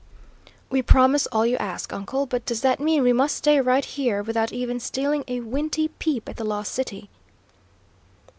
"We promise all you ask, uncle, but does that mean we must stay right here, without even stealing a weenty peep at the Lost City?"